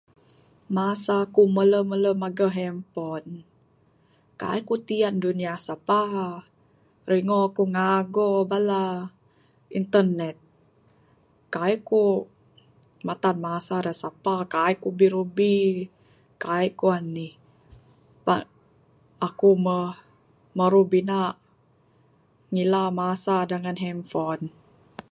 Masa aku mele-mele mageh handphone, kaii ku tiyan dunia sapa, ringo ku ngago bala internet, kaii ku matan masa da sapa, kaii ku birubi kaii ku anih, pak aku muh marubina ngila masa dangan handphone.